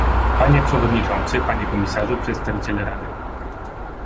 Panie przewodniczący, panie komisarzu, przedstawiciele Rady